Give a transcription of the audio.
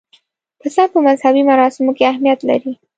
پسه په مذهبي مراسمو کې اهمیت لري.